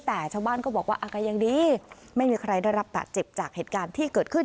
แต่ชาวบ้านก็บอกว่าอาการยังดีไม่มีใครได้รับบาดเจ็บจากเหตุการณ์ที่เกิดขึ้น